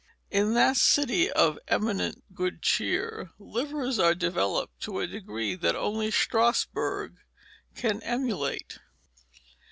In that city of eminent good cheer livers are developed to a degree that only Strasburg can emulate.